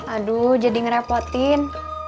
aduh jadi ngerepotin